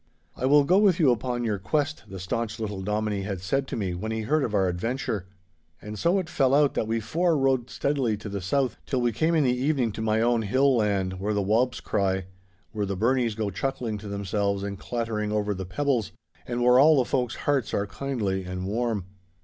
'I will go with you upon your quest,' the staunch little Dominie had said to me, when he heard of our adventure. And so it fell out that we four rode steadily to the south, till we came in the evening to my own hill land, where the whaups cry, where the burnies go chuckling to themselves and clattering over the pebbles, and where all the folk's hearts are kindly and warm.